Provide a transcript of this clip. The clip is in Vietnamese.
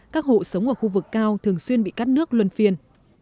các hộ sống ở khu vực cao thường xuyên bị cắt nước luân phiên